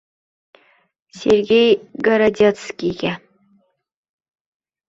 Sergey Gorodetskiyga